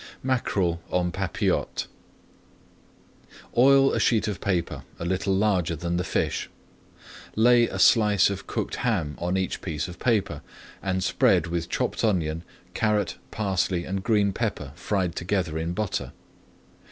MACKEREL EN PAPILLOTES Oil a sheet of paper a little larger than the fish. Lay a slice of cooked ham on each piece of paper, and spread with chopped onion, carrot, parsley, and green pepper fried together in butter.